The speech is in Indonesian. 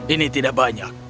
ini tidak banyak